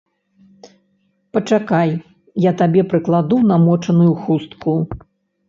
Пачакай, я табе прыкладу намочаную хустку.